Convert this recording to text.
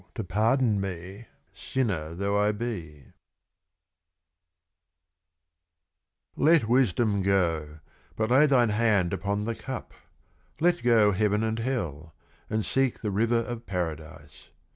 mi ) THE RUBAIYAT OF KHAIYAM Let Wisdom go : but lay thine Hand upon the Cup. Let go Heaven and Hell ; and seek the River of Paradise.